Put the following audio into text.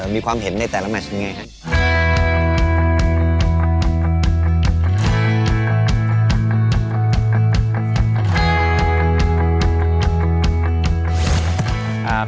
มีความเห็นในแต่ละแมชยังไงครับ